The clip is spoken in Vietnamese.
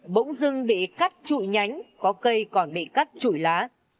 bỗng dưng bị cắt trụi nhánh có cây còn bị cắt trụi lá